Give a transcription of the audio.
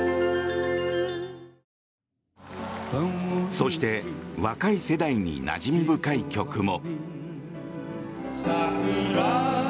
そして若い世代になじみ深い曲も。